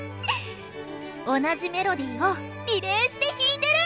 同じメロディーをリレーして弾いてる！